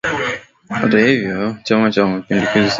Hata hivyo ndani ya Chama cha mapinduzi na Serikali